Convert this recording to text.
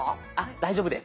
大丈夫です。